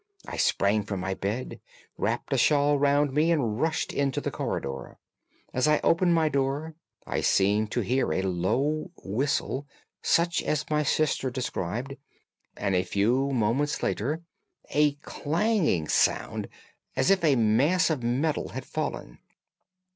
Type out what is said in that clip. I sprang from my bed, wrapped a shawl round me, and rushed into the corridor. As I opened my door I seemed to hear a low whistle, such as my sister described, and a few moments later a clanging sound, as if a mass of metal had fallen.